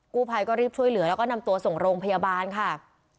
กู้ภัยก็รีบช่วยเหลือแล้วก็นำตัวส่งโรงพยาบาลค่ะ